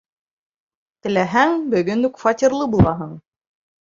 Теләһәң, бөгөн үк фатирлы булаһың.